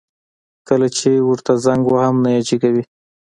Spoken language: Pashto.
کله چي ورته زنګ وهم نه يي جګوي